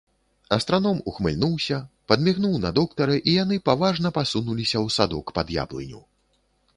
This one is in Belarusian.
Астраном ухмыльнуўся, падмігнуў на доктара, і яны паважна пасунуліся ў садок пад яблыню.